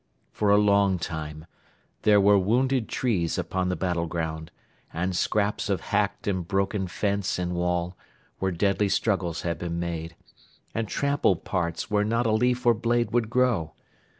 For a long time, there were wounded trees upon the battle ground; and scraps of hacked and broken fence and wall, where deadly struggles had been made; and trampled parts where not a leaf or blade would grow.